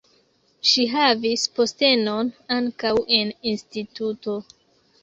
Ŝi havis postenon ankaŭ en instituto.